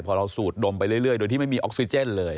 พอเราสูดดมไปเรื่อยโดยที่ไม่มีออกซิเจนเลย